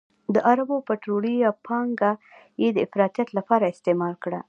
د عربو پطرولي پانګه یې د افراطیت لپاره استعمال کړه.